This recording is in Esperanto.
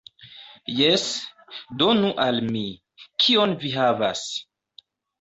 Jes, donu al mi. Kion vi havas?